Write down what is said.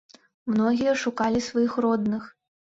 Многія шукалі сваіх родных.